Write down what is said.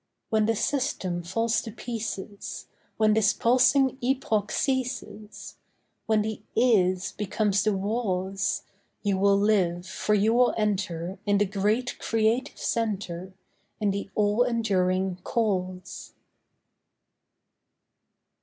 When the system falls to pieces, When this pulsing epoch ceases, When the is becomes the was, You will live, for you will enter In the great Creative Centre, In the All Enduring Cause.